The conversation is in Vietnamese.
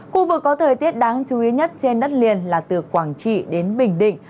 khu vực có thời tiết đáng chú ý nhất trên đất liền là từ quảng trị đến bình định